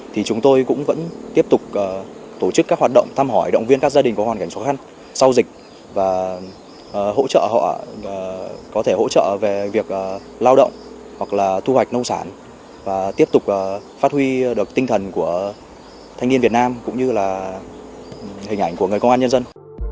thì chúng tôi cũng vẫn tiếp tục tổ chức các hoạt động thăm hỏi động viên các gia đình có hoàn cảnh khó khăn sau dịch và hỗ trợ họ có thể hỗ trợ về việc lao động hoặc là thu hoạch nông sản và tiếp tục phát huy được tinh thần của thanh niên việt nam cũng như là hình ảnh của người công an nhân dân